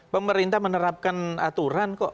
pemerintah menerapkan aturan kok